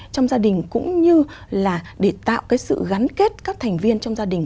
trong gia đình cũng như là để tạo cái sự gắn kết các thành viên trong gia đình